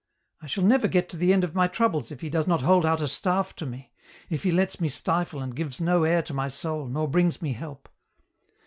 I shall never get to the end of my troubles if he does not hold out a staff to me, if he lets me stifle and gives no air to my soul, nor brings me help.